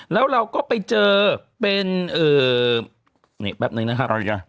แล้วเราก็ไปเจอเป็นนี่แป๊บนึงนะครับ